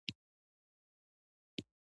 ځمکه د افغانستان طبعي ثروت دی.